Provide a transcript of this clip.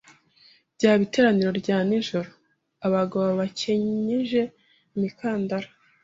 byaba iteraniro rya nijoro, abagabo bakenyeje imikandara